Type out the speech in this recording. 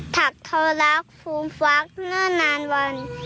ถักทอลักษณ์ฟูมฟักเนื่อนนานวัน